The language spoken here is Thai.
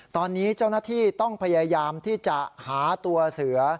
ตอนนี้เจ้าหน้าที่ต้องพยายามที่จะหาตัวเสือ